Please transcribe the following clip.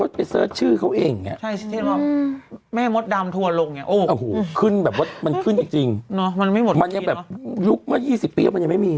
เข้าวงการใหม่